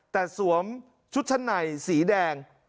แต่สวมชุดชั้นในสีแดง